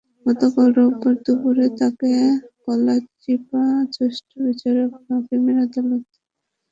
গতকাল রোববার দুপুরে তাঁকে গলাচিপা জ্যেষ্ঠ বিচারিক হাকিমের আদালতে সোপর্দ করা হয়েছে।